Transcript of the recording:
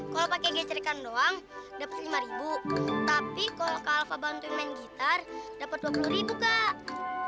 kalau pakai geserikan doang dapat lima ribu tapi kalau kak alva bantuin main gitar dapat dua puluh ribu kak